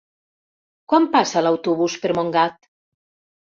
Quan passa l'autobús per Montgat?